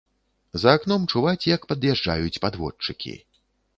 За акном чуваць, як пад'язджаюць падводчыкі.